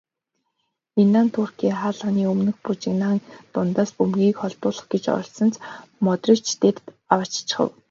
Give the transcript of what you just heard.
Инан Туркийн хаалганы өмнөх бужигнаан дундаас бөмбөгийг холдуулах гэж оролдсон ч Модрич дээр авааччихав.